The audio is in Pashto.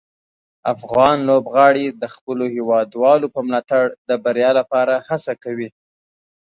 افغان لوبغاړي د خپلو هیوادوالو په ملاتړ د بریا لپاره هڅه کوي.